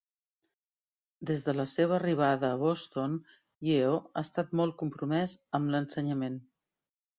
Des de la seva arribada a Boston, Yeo ha estat molt compromès amb l'ensenyament.